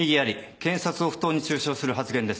検察を不当に中傷する発言です。